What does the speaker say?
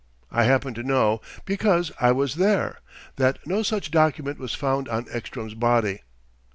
I happen to know, because I was there, that no such document was found on Ekstrom's body."